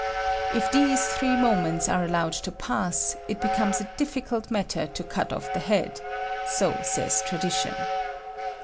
If these three moments are allowed to pass, it becomes a difficult matter to cut off the head: so says tradition.